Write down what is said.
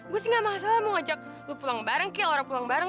gue sih nggak masalah mau ngajak lo pulang bareng kayak laura pulang bareng